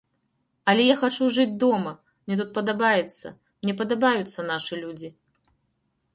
Але я хачу жыць дома, мне тут падабаецца, мне падабаюцца нашы людзі.